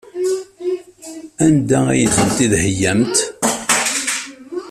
Anda ay ten-id-theyyamt?